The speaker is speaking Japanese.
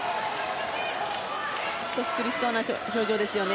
少し苦しそうな表情ですよね。